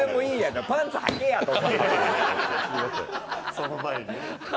その前にね。